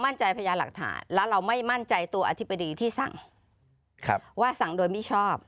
พยานหลักฐานแล้วเราไม่มั่นใจตัวอธิบดีที่สั่งว่าสั่งโดยมิชอบ